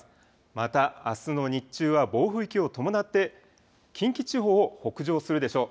また、あすの日中は暴風域を伴って、近畿地方を北上するでしょう。